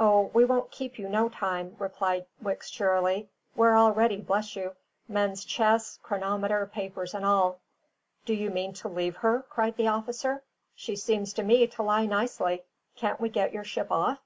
"O, we won't keep you no time," replied Wicks cheerily. "We're all ready, bless you men's chests, chronometer, papers and all." "Do you mean to leave her?" cried the officer. "She seems to me to lie nicely; can't we get your ship off?"